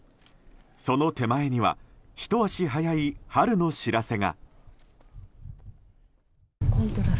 その手前にはひと足早い春の知らせが。